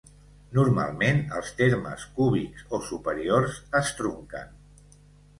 Normalment, els termes cúbics o superiors es trunquen.